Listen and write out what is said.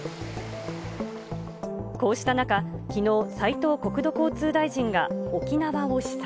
こうした中、きのう、斉藤国土交通大臣が沖縄を視察。